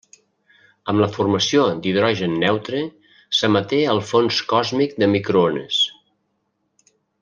Amb la formació d'hidrogen neutre, s'emeté el fons còsmic de microones.